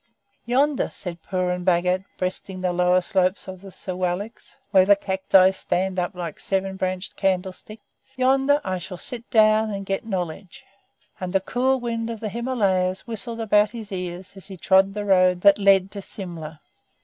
"Yonder," said Purun Bhagat, breasting the lower slopes of the Sewaliks, where the cacti stand up like seven branched candlesticks "yonder I shall sit down and get knowledge"; and the cool wind of the Himalayas whistled about his ears as he trod the road that led to Simla.